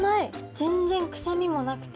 全然臭みもなくて。